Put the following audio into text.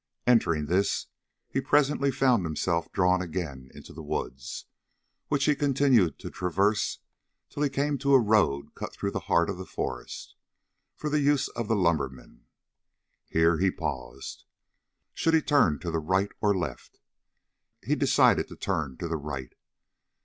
Entering this he presently found himself drawn again into the woods, which he continued to traverse till he came to a road cut through the heart of the forest, for the use of the lumbermen. Here he paused. Should he turn to the right or left? He decided to turn to the right.